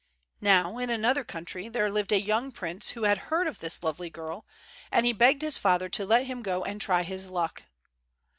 Now, in another country there lived a young prince who had heard of this lovely girl, and he begged his father to let him go and try his luck.